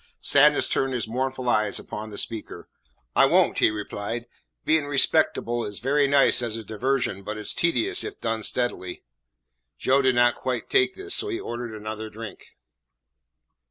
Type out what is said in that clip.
Sadness turned his mournful eyes upon the speaker. "I won't," he replied. "Being respectable is very nice as a diversion, but it 's tedious if done steadily." Joe did not quite take this, so he ordered another drink.